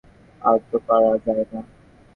রমাপতি কহিল, গৌরবাবু, চলুন আর তো পারা যায় না।